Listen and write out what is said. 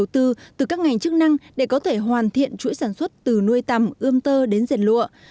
vẫn cần thêm nữa sự hỗ trợ đầu tư từ các ngành chức năng để có thể hoàn thiện chuỗi sản xuất từ nuôi tầm ươm tơ đến dệt lụa